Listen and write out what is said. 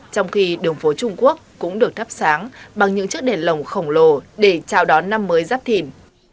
trong khi đường phố trung quốc cũng được thắp sáng bằng những chiếc đèn lồng khổng lồ để chào đón năm mới giáp thìn